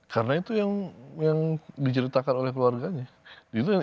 karena itu yang diceritakan oleh keluarganya